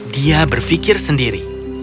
dia berfikir sendiri